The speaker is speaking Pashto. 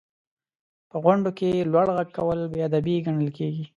• په غونډو کې لوړ ږغ کول بې ادبي ګڼل کېږي.